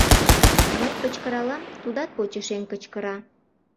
Мый кычкыралам, тудат почешем кычкыра.